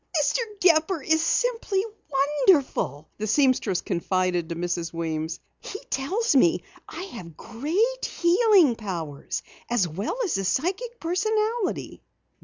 "Mr. Gepper is simply wonderful," the seamstress confided to Mrs. Weems. "He tells me that I have great healing powers as well as a psychic personality."